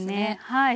はい。